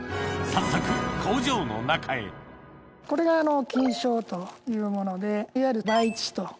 早速工場の中へこれが菌床というものでいわゆる培地と。